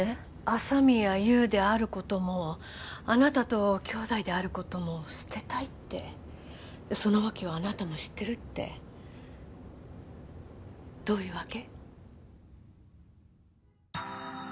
朝宮優であることもあなたと姉弟であることも捨てたいってそのわけはあなたも知ってるってどういうわけ？